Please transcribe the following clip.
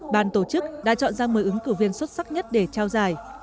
bàn tổ chức đã chọn ra một mươi ứng cử viên xuất sắc nhất để trao giải